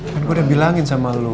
kan gue udah bilangin sama lo